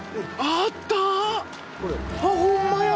あっホンマや。